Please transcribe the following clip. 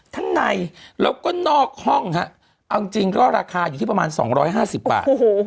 ทั้งในแล้วก็นอกห้องฮะเอาจริงก็ราคาอยู่ที่ประมาณ๒๕๐บาท